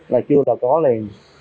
là chưa là có liền